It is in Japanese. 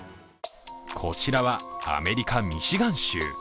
こちらはアメリカ・ミシガン州。